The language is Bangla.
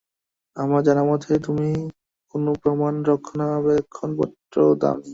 আমার জানা মতে, তুমি কোনো প্রমাণ রক্ষণাবেক্ষণ পত্র দাওনি।